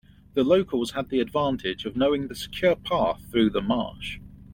The locals had the advantage of knowing the secure path through the marsh.